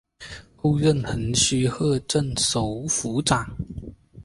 后任横须贺镇守府长。